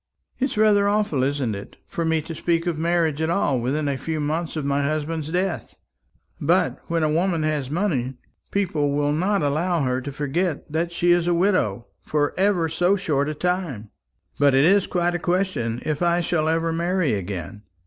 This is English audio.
"It is rather awful, isn't it, for me to speak of marriage at all within a few months of my husband's death? But when a woman has money, people will not allow her to forget that she is a widow for ever so short a time. But it is quite a question if I shall ever marry again.